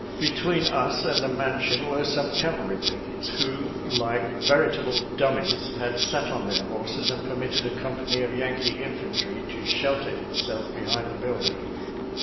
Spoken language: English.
Between us and the mansion were some cavalry pickets, who, like veritable dummies, had sat on their horses and permitted a company of Yankee infantry to shelter itself behind the building.